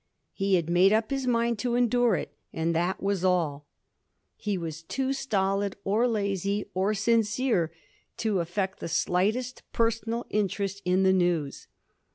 He had made up his mind to endure it, and that was all. He was too stolid, or lazy, or sincere to afi^ect the slightest personal interest in the news.